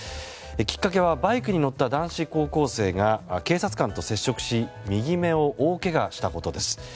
きっかけはバイクに乗った男子高校生が警察官と接触し右目を大けがしたことです。